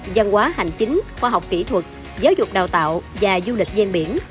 giang hóa hành chính khoa học kỹ thuật giáo dục đào tạo và du lịch dây miển